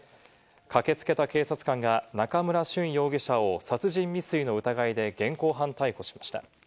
駆けつけた警察官が中村瞬容疑者を殺人未遂の疑いで現行犯逮捕しました。